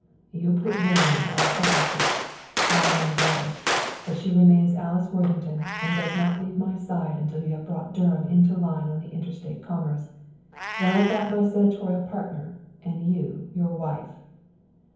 "You put Durham into our partnership; I my daughter; but she remains Alice Worthington, and does not leave my side until you have brought Durham into line on the Inter State Commerce. Then I've got my senatorial partner, and you your wife."